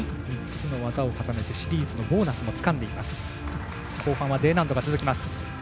３つの技を重ねてシリーズのボーナスもつかんでいます。